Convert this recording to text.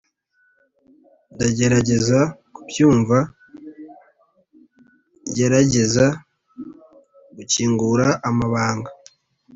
ndagerageza kubyumva, gerageza gukingura amabanga,